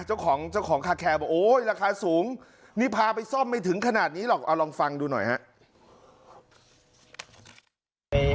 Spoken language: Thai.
เจ้าของคาแคว่าโอ้ยราคาสูงนี่พาไปซ่อมไม่ถึงขนาดนี้หรอกเอาลองฟังดูหน่อยฮะ